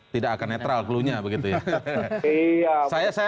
tidak akan netral cluenya begitu ya